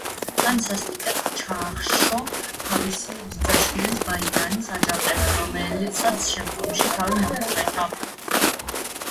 მან სასტიკად ჩაახშო თავისი ბიძაშვილის, ბაიანის აჯანყება, რომელსაც შემდგომში თავი მოჰკვეთა.